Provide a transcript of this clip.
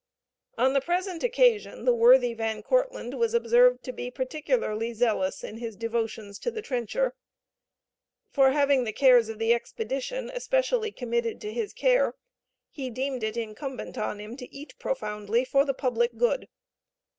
On the present occasion the worthy Van Kortlandt was observed to be particularly zealous in his devotions to the trencher; for having the cares of the expedition especially committed to his care he deemed it incumbent on him to eat profoundly for the public good.